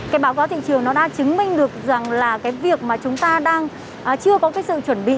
cái báo cáo thị trường nó đã chứng minh được rằng là cái việc mà chúng ta đang chưa có cái sự chuẩn bị